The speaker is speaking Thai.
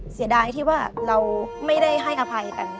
เสียดายที่ว่าเราไม่ได้ให้อภัยกัน